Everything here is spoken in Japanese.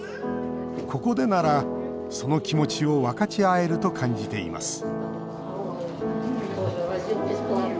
ここでなら、その気持ちを分かち合えると感じています